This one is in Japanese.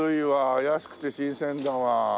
安くて新鮮だわ。